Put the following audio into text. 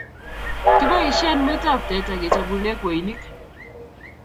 Kiboishen muitop teta ke chobune kweinik